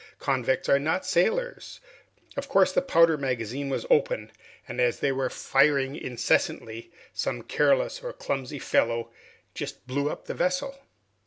Convicts are not sailors. Of course the powder magazine was open, and as they were firing incessantly, some careless or clumsy fellow just blew up the vessel!"